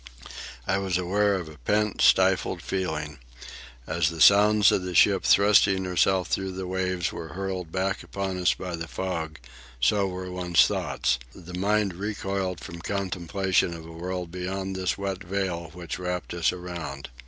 I was aware of a pent, stifled feeling. As the sounds of the ship thrusting herself through the waves were hurled back upon us by the fog, so were one's thoughts. The mind recoiled from contemplation of a world beyond this wet veil which wrapped us around.